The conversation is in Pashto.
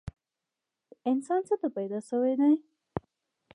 انسان څه ته پیدا شوی دی؟